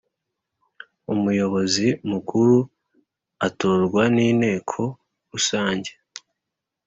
Umuyobozi mukuru atorwa n’ inteko Rusange